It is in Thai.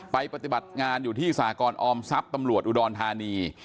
ปฏิบัติงานอยู่ที่สากรออมทรัพย์ตำรวจอุดรธานี